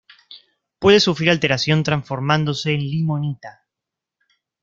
Puede sufrir alteración transformándose en limonita.